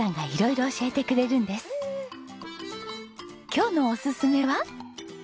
今日のおすすめは？